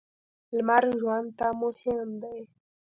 لمر ژوند ته مهم دی.